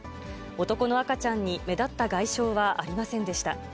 男の赤ちゃんに目立った外傷はありませんでした。